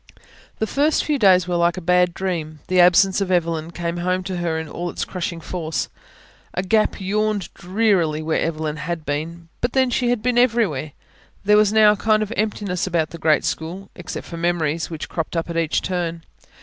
The first few days were like a bad dream. The absence of Evelyn came home to her in all its crushing force. A gap yawned drearily where Evelyn had been but then, she had been everywhere. There was now a kind of emptiness about the great school except for memories, which cropped up at each turn.